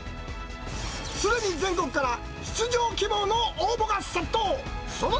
すでに全国から出場希望の応募が殺到。